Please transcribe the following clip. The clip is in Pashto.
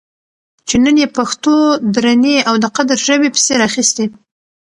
چې نن یې پښتو درنې او د قدر ژبې پسې راخیستې